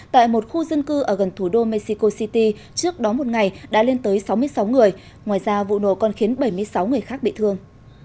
tại một khu dân cư ở gần thủ đô mexico city trước đó một ngày đã lên tới sáu mươi sáu người ngoài ra vụ nổ còn khiến bảy mươi sáu người khác bị thương